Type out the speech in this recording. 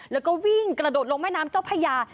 แล้วก็วิ่งกระโดดลงแม่น้ำเจ้าพญา